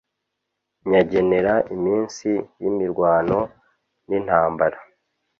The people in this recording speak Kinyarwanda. nyagenera iminsi y'imirwano n'intambara